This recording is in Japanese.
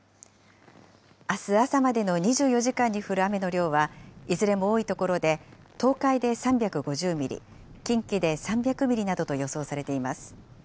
あす朝までの２４時間に降る雨の量はいずれも多い所で、東海で３５０ミリ、近畿で３００ミリなどと予想されています。